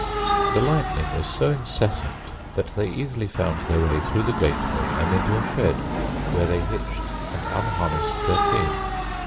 The lightning was so incessant that they easily found their way through the gateway and into a shed, where they hitched and unharnessed their team.